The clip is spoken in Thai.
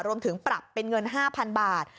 รวมถึงปรับเป็นเงิน๕๐๐๐บาท